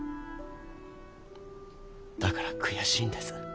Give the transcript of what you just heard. だから悔しいんです。